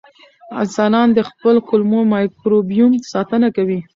انسانان د خپل کولمو مایکروبیوم ساتنه کوي.